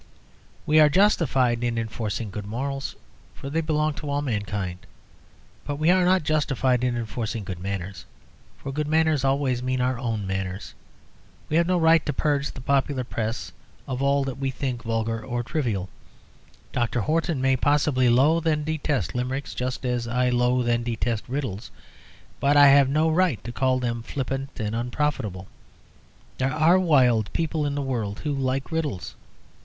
We are justified in enforcing good morals, for they belong to all mankind; but we are not justified in enforcing good manners, for good manners always mean our own manners. We have no right to purge the popular Press of all that we think vulgar or trivial. Dr. Horton may possibly loathe and detest Limericks just as I loathe and detest riddles; but I have no right to call them flippant and unprofitable; there are wild people in the world who like riddles.